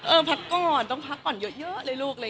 พักก่อนต้องพักก่อนเยอะเลยลูก